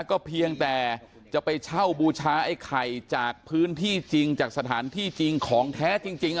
ก็เพียงแต่จะไปเช่าบูชาไอ้ไข่จากพื้นที่จริงจากสถานที่จริงของแท้จริง